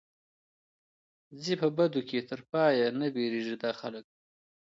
ځي په بدو کي تر پايه نه بېرېږي دا خلک